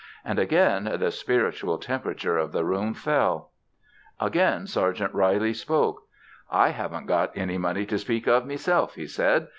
And again the spiritual temperature of the room fell. Again Sergeant Reilly spoke: "I haven't got any money to speak of, meself," he said.